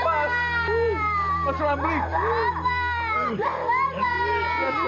bapak jangan berdosa sama aku